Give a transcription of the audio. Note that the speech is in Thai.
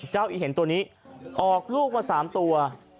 เจ้าอีเห็นตัวนี้ออกลูกมาสามตัว